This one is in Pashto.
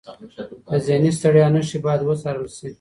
د ذهني ستړیا نښې باید وڅارل شي.